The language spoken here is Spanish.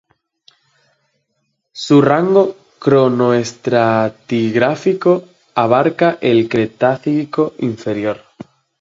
Su rango cronoestratigráfico abarca el Cretácico inferior.